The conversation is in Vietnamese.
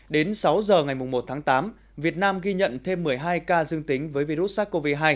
đến sáu giờ ngày một tháng tám việt nam ghi nhận thêm một mươi hai ca dương tính với virus sars cov hai